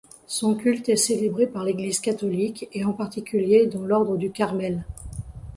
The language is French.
Son culte est célébrée par l'Eglise catholique et en particulier dans l'Ordre du Carmel.